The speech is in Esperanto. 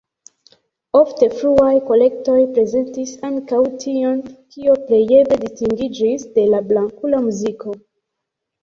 Ofte fruaj kolektoj prezentis ankaŭ tion, kio plejeble distingiĝis de la blankula muziko.